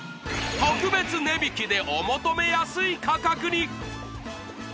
特別値引きでお求めやすい価格に！